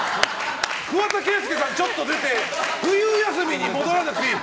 桑田佳祐さんがちょっと出て冬休みに戻らなくていい！